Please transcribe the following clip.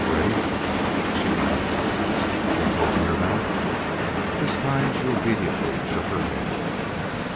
Ready?" She nodded. "Won't open your mouth?" This time she obediently shook her head.